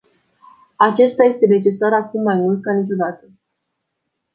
Acesta este necesar acum mai mult ca niciodată.